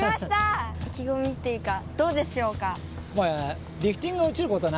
いきごみっていうかどうでしょうか？